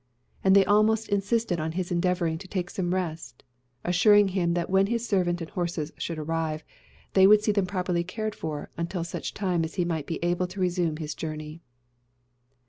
And they almost insisted on his endeavouring to take some rest; assuring him that when his servant and horses should arrive, they would see them properly cared for, until such time as he might be able to resume his journey.